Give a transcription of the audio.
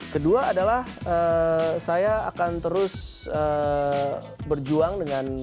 kedua adalah saya akan terus berjuang dengan